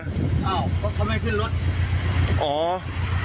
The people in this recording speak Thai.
อ้าวเพราะเขาไม่ขึ้นรถ